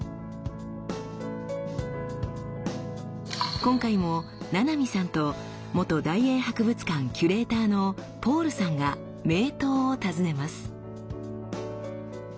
今回も七海さんと元大英博物館キュレーターのポールさんが名刀を訪ねます。